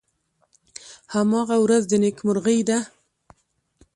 هماغه ورځ د نیکمرغۍ ده .